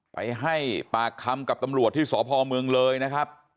ไปให้ปากคำกับตำรวจที่สพเมืองเลยนะครับ